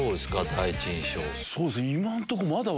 第一印象。